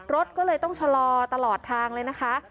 รถก็เลยต้องชะลอตลอดทางเลยนะคะ